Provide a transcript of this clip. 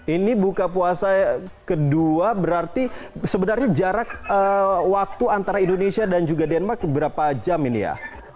ini buka puasa kedua berarti sebenarnya jarak waktu antara indonesia dan juga denmark berapa jam ini ya